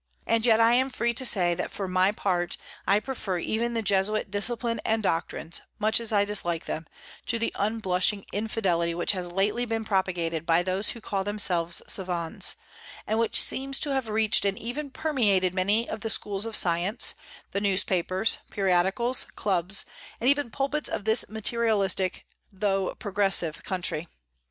And yet I am free to say that for my part I prefer even the Jesuit discipline and doctrines, much as I dislike them, to the unblushing infidelity which has lately been propagated by those who call themselves savans, and which seems to have reached and even permeated many of the schools of science, the newspapers, periodicals, clubs, and even pulpits of this materialistic though progressive country.